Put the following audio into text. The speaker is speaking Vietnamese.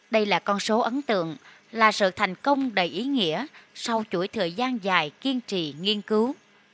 đây là con số ấn tượng là sự thành công đầy ý nghĩa sau chuỗi thời gian dài kiên trì nghiên cứu